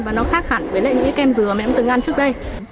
và nó khác hẳn với những kem dừa mà em từng ăn trước đây